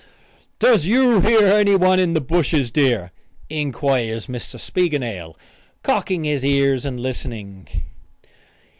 "Does you hear anyone in the bushes, dear?" inquires Mr. Spiegelnail, cocking his ears and listening.